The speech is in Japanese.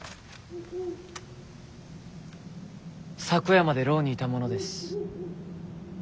昨夜まで牢にいた者です。